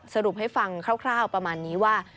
สรุปให้ฟังคร่าวประมาณนี้ว่า